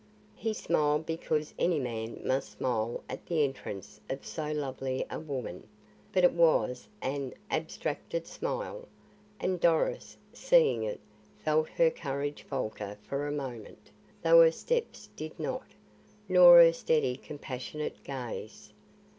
He smiled because any man must smile at the entrance of so lovely a woman, but it was an abstracted smile, and Doris, seeing it, felt her courage falter for a moment, though her steps did not, nor her steady compassionate gaze.